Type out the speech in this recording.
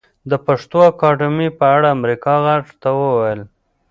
د پښتو اکاډمۍ په اړه امريکا غږ ته وويل